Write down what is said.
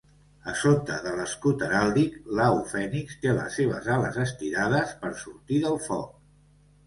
A sota de l"escut heràldic, l"au fènix té les seves ales estirades per sortir del foc.